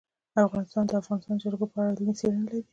افغانستان د د افغانستان جلکو په اړه علمي څېړنې لري.